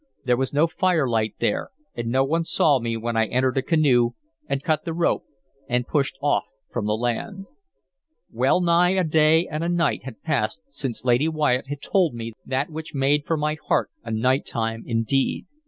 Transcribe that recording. There was no firelight there, and no one saw me when I entered a canoe and cut the rope and pushed off from the land. Well nigh a day and a night had passed since Lady Wyatt had told me that which made for my heart a night time indeed.